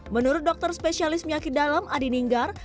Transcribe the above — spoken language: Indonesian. menurut dokter spesialis penyakit dalam adi ninggar